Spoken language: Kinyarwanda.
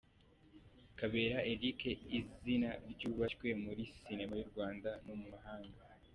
Kabera Eric, izina ryubashywe muri sinema y’u Rwanda no mu mahanga.